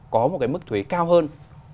có một cái mức thuế cao hơn